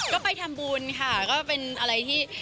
ก็ไปทำบุญค่ะก็เป็นอะไรที่